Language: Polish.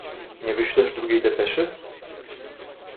"Nie wyślesz drugiej depeszy?"